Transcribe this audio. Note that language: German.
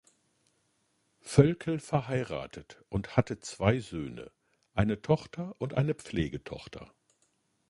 Voelkel verheiratet und hatte zwei Söhne, eine Tochter und eine Pflegetochter.